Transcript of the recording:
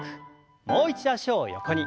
もう一度脚を横に。